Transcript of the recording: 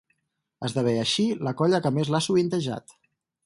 Esdevé, així, la colla que més l'ha sovintejat.